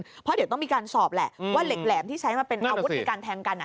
เพราะเดี๋ยวต้องมีการสอบแหละว่าเหล็กแหลมที่ใช้มาเป็นอาวุธในการแทงกันอ่ะ